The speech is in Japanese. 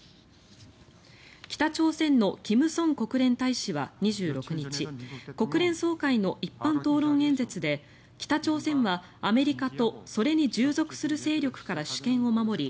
北朝鮮のキム・ソン国連大使は２６日国連総会の一般討論演説で北朝鮮はアメリカとそれに従属する勢力から主権を守り